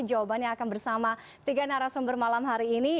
jawabannya akan bersama tiga narasumber malam hari ini